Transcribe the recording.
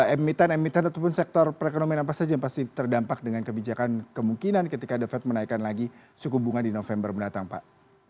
emiten emiten ataupun sektor perekonomian apa saja yang pasti terdampak dengan kebijakan kemungkinan ketika the fed menaikkan lagi suku bunga di november mendatang pak